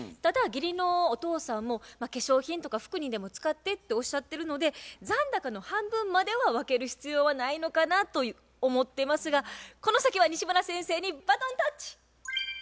ただ義理のお父さんも「化粧品とか服にでも使って」っておっしゃってるので残高の半分までは分ける必要はないのかなと思っていますがこの先は西村先生にバトンタッチ。